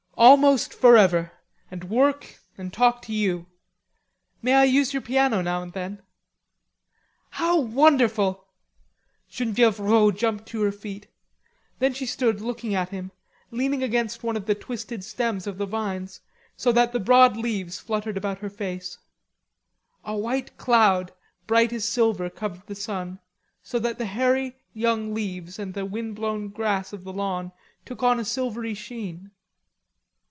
"Almost forever, and work, and talk to you; may I use your piano now and then?" "How wonderful!" Genevieve Rod jumped to her feet. Then she stood looking at him, leaning against one of the twisted stems of the vines, so that the broad leaves fluttered about her face, A white cloud, bright as silver, covered the sun, so that the hairy young leaves and the wind blown grass of the lawn took on a silvery sheen.